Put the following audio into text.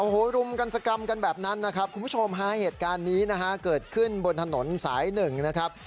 โอ้โหรุมกันสกรรมกันแบบนั้นนะครับคุณผู้ชมฮะเหตุการณ์นี้นะฮะเกิดขึ้นบนถนนสายหนึ่งนะครับ